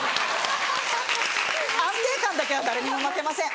安定感だけは誰にも負けません。